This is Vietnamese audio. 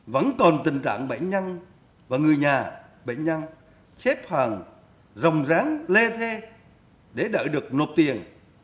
vẫn còn tình trạng bệnh nhân và người nhà bệnh nhân xếp hàng rồng rắn lê thê để đợi được nộp tiền